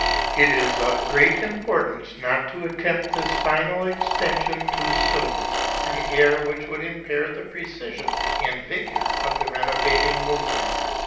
It is of great importance not to attempt this final extension too soon, an error which would impair the precision and vigour of the renovating movement.